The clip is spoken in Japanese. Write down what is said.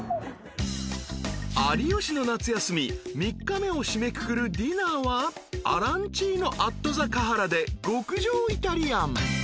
［『有吉の夏休み』３日目を締めくくるディナーはアランチーノ・アット・ザ・カハラで極上イタリアン］